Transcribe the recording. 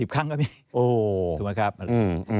๔๐ครั้งก็มีโอ้ถูกไหมครับอืมอืม